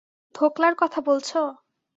ধোকলার কথা বলছো?